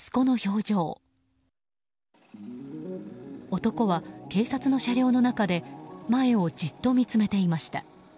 男は警察の車両の中で前をじっと見つめていました。